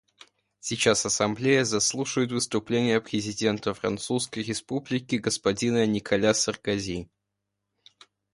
Сейчас Ассамблея заслушает выступление президента Французской Республики господина Николя Саркози.